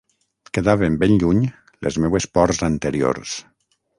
Quedaven ben lluny les meues pors anteriors.